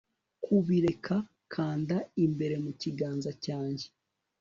kubireka, kanda imbere mu kiganza cyanjye